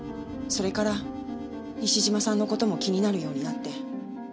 それから西島さんの事も気になるようになって。